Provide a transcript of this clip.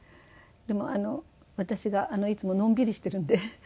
でも私がいつものんびりしてるんで。